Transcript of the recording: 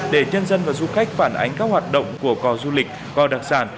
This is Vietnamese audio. để nhân dân và du khách phản ánh các hoạt động của cò du lịch cò đặc sản